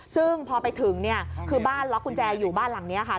ซึ่งพอไปถึงเนี่ยคือบ้านล็อกกุญแจอยู่บ้านหลังนี้ค่ะ